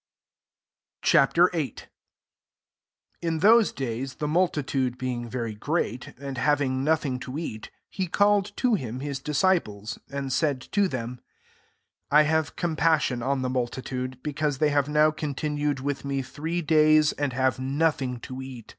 Ch. VIII. 1 In those days, the multitude being very great, and having nothing to eat, he called to him [hisj disciples, and said to them, 2 <' I have compassion on the multitude, because they have now continu ed with me three days, and have nothing to eat.